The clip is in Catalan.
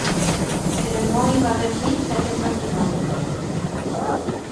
Però no hi va haver fills d'aquest matrimoni.